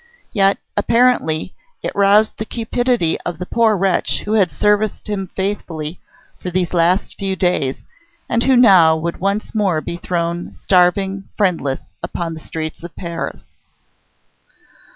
Yet, apparently, it roused the cupidity of the poor wretch who had served him faithfully for these last few days, and who now would once more be thrown, starving and friendless, upon the streets of Paris.